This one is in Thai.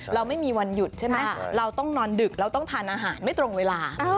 เราไม่มีวันหยุดใช่ไหมเราต้องนอนดึกเราต้องทานอาหารไม่ตรงเวลา